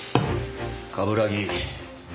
冠城。